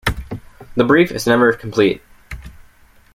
The brief is never complete.